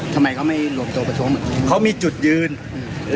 ทำไมเขาไม่รวมตัวประท้วงอ่ะเขามีจุดยืนอืม